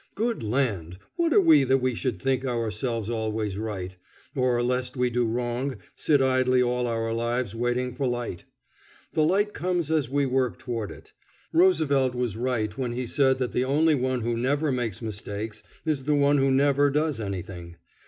Good land! what are we that we should think ourselves always right, or, lest we do wrong, sit idle all our lives waiting for light? The light comes as we work toward it. Roosevelt was right when he said that the only one who never makes mistakes is the one who never does anything.